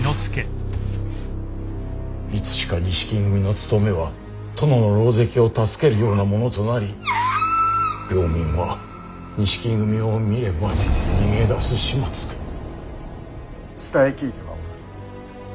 いつしか錦組の務めは殿の狼藉を助けるようなものとなり領民は錦組を見れば逃げ出す始末で伝え聞いてはおる。